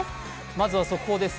まずは速報です。